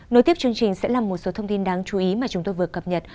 nối tiếp chương trình sẽ là một số thông tin đáng chú ý mà chúng tôi vừa cập nhật